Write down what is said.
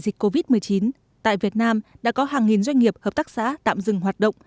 trong bối cảnh đại dịch covid một mươi chín tại việt nam đã có hàng nghìn doanh nghiệp hợp tác xã tạm dừng hoạt động